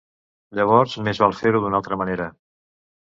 Llavors més val fer-ho d'una altra manera.